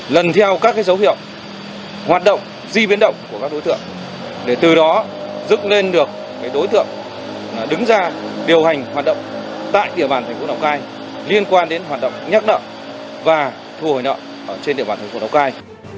để từ đó giúp lên được đối tượng đứng ra điều hành hoạt động tại địa bàn thành phố lào cai liên quan đến hoạt động nhắc nợ và thu hồi nợ trên địa bàn thành phố lào cai